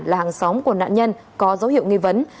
là hàng xóm của nạn nhân có dấu hiệu nghi vấn